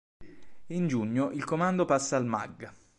In giugno il comando passa al Magg.